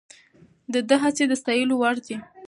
د ده هڅې د ستایلو وړ دي.